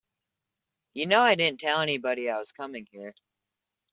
You know I didn't tell anybody I was coming here.